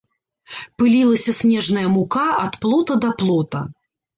Пылілася снежная мука ад плота да плота.